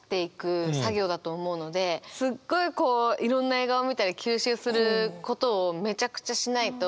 こういろんな映画を見たり吸収することをめちゃくちゃしないと。